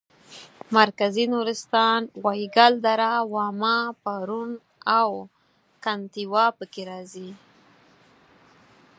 مرکزي نورستان وایګل دره واما پارون او کنتیوا پکې راځي.